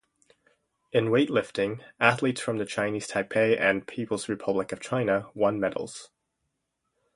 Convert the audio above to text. In weightlifting, athletes from the Chinese Taipei and People's Republic of China won medals.